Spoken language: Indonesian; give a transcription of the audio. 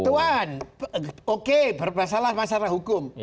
tuan oke bermasalah masalah hukum